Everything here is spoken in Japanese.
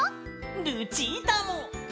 ルチータも！